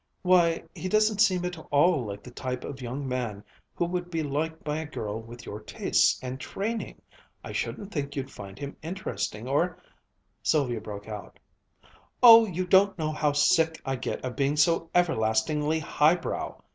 "Why, he doesn't seem at all like the type of young man who would be liked by a girl with your tastes and training. I shouldn't think you'd find him interesting or " Sylvia broke out: "Oh, you don't know how sick I get of being so everlastingly high brow!